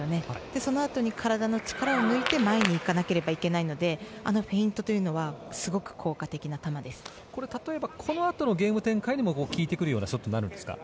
そのあとに体の力を抜いて前に行かないといけないのであのフェイントはこのあとのゲーム展開にも効いてくるようなショットになるんですか。